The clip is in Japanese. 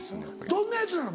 どんなやつなの？